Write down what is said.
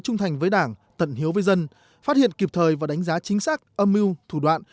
trung thành với đảng tận hiếu với dân phát hiện kịp thời và đánh giá chính xác âm mưu thủ đoạn